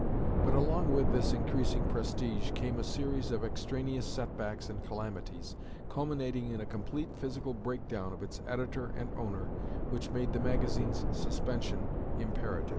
But along with this increasing prestige came a series of extraneous setbacks and calamities, culminating in a complete physical breakdown of its editor and owner, which made the magazine's suspension imperative.